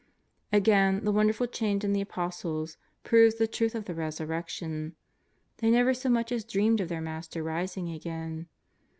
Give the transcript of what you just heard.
Again, the wonderful change in the Apostles proves the truth of the Resurrection. They never so much as dreamed of their Master rising again.